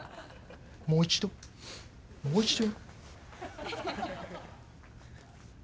もう一度もう一度。